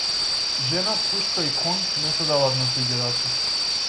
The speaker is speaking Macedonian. Жена, пушка и коњ не се даваат на туѓи раце.